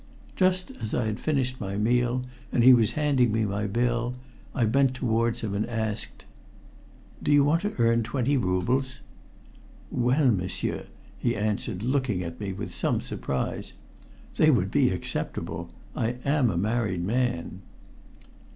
Just as I had finished my meal, and he was handing me my bill, I bent towards him and asked "Do you want to earn twenty roubles?" "Well, m'sieur," he answered, looking at me with some surprise. "They would be acceptable. I am a married man."